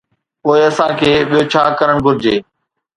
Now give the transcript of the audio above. پوءِ اسان کي ٻيو ڇا ڪرڻ گهرجي؟